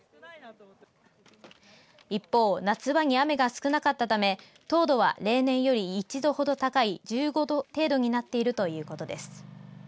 一方、夏場に雨が少なかったため糖度は例年より１度ほど高い１５度程度になっているということです。